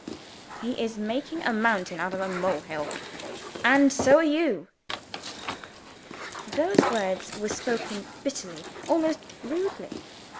"He is making a mountain out of a mole hill and so are you." Those words were spoken bitterly almost rudely.